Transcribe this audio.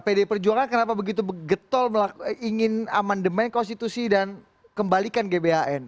pdi perjuangan kenapa begitu getol ingin amandemen konstitusi dan kembalikan gbhn